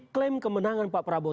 klaim kemenangan pak prabowo